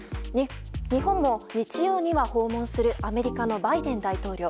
日本も日曜には訪問するアメリカのバイデン大統領。